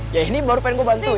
ya ini baru pengen gue bantu